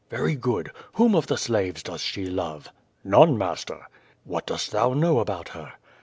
''Very good. Whom of the slaves does she love?" "None, master." "What dost thou know about her?"